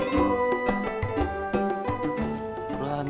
kepala ni adau ustadz